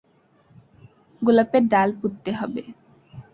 গোলাপের ডাল পুঁততে হবে।